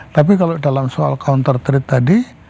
tapi kalau dalam soal counter trade tadi